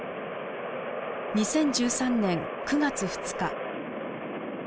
２０１３年９月２日。